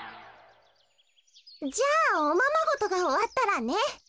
じゃあおままごとがおわったらね。